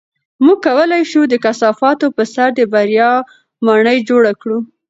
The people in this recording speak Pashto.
موږ کولی شو د کثافاتو په سر د بریا ماڼۍ جوړه کړو.